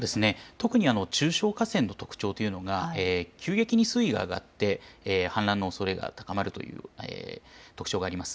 特に中小河川の特徴というのが急激に水位が上がって氾濫のおそれが高まるという特徴があります。